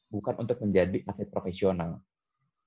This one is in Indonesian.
bukan untuk menjadi atlet profesional